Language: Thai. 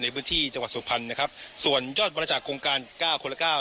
ในพื้นที่จังหวัดสุพรรณนะครับส่วนยอดบริจาคโครงการเก้าคนละเก้า